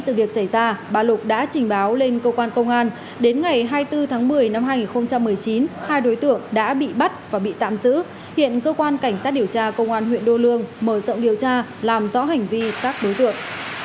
sự việc xảy ra bà lục đã trình báo lên cơ quan công an đến ngày hai mươi bốn tháng một mươi năm hai nghìn một mươi chín hai đối tượng đã bị bắt và bị tạm giữ hiện cơ quan cảnh sát điều tra công an huyện đô lương mở rộng điều tra làm rõ hành vi các đối tượng